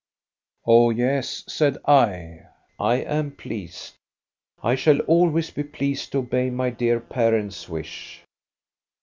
"* Oh, yes/ said I, ' I am pleased. I shall always be pleased to obey my dear parents' wish